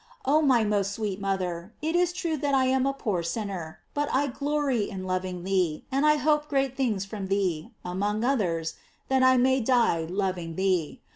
Oh, my most sweet mother, it is true that I am a poor sinner, but 1 glory in loving thee, and I hope great things from thee, among others, that I may die loving thee.